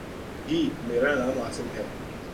جی، میرا نام عاصم ہے